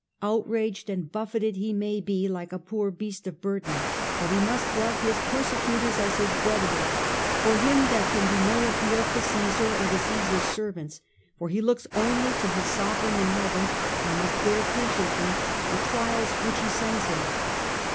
Outraged and buffeted he may be, like a poor beast of burden ; but he must love his persecutors as his brethren. For him there can be no appeal to Caesar or to Caesar's servants, for he looks only to his Sovereign in heaven, and must bear patiently the trials 174 CH. VIII. The Age of the A ntonines, which He sends him.